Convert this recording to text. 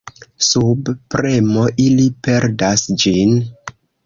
Sub premo ili perdas ĝin.